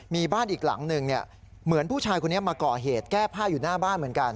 มีบ้านอีกหลังหนึ่งเหมือนผู้ชายคนนี้มาก่อเหตุแก้ผ้าอยู่หน้าบ้านเหมือนกัน